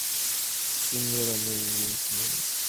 جیمي رامیرز نوی سیستم کاروي.